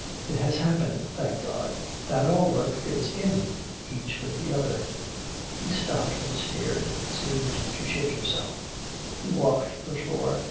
It has happened, thank God, that our work fits in each with the other!" He stopped and stared, seemed to shake himself; he walked the floor.